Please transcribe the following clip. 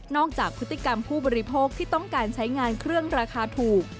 จากพฤติกรรมผู้บริโภคที่ต้องการใช้งานเครื่องราคาถูก